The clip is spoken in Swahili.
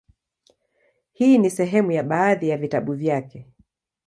Hii ni sehemu ya baadhi ya vitabu vyake;